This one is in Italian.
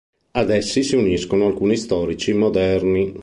Ad essi si uniscono alcuni storici moderni.